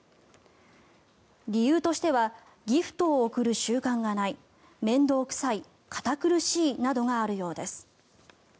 理由としてはギフトを贈る習慣がない面倒臭い、堅苦しいなどがあるようです。